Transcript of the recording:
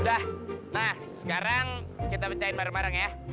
udah nah sekarang kita pecahin bareng bareng ya